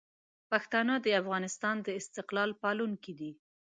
پښتانه د افغانستان د استقلال پالونکي دي.